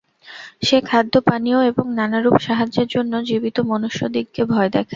সে খাদ্য, পানীয় এবং নানারূপ সাহায্যের জন্য জীবিত মনুষ্যদিগকে ভয় দেখায়।